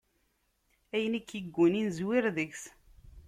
Ayen i k-iggunin, zwir deg-s!